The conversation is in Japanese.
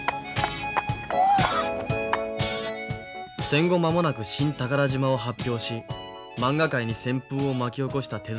戦後間もなく「新寳島」を発表しまんが界に旋風を巻き起こした手